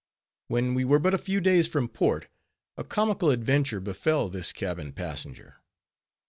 When we were but a few days from port, a comical adventure befell this cabin passenger.